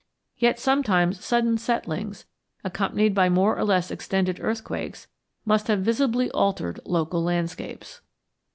Yet sometimes sudden settlings, accompanied by more or less extended earthquakes, must have visibly altered local landscapes.